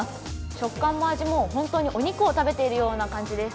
食感も味も本当にお肉を食べているような感じます。